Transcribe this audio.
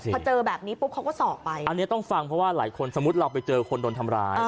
พอเจอแบบนี้ปุ๊บเขาก็สอบไปอันนี้ต้องฟังเพราะว่าหลายคนสมมุติเราไปเจอคนโดนทำร้าย